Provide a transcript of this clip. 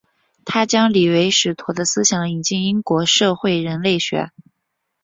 他将李维史陀的思想引进英国社会人类学。